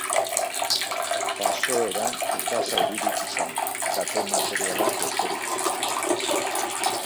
Jazoeran ez da zauriturik izan, kate materialak besterik ez.